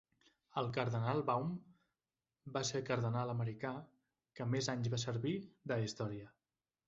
El cardenal Baum va ser el cardenal americà que més anys va servir de la història.